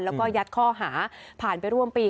แล้วก็ยัดข้อหาผ่านไปร่วมปี